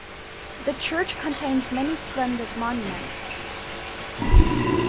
The church contains many splendid monuments.